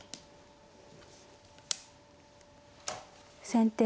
先手